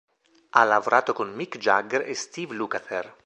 Ha lavorato con Mick Jagger e Steve Lukather.